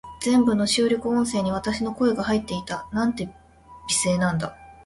全部の収録音声に、私の声が入っていた。なんて美声なんだ。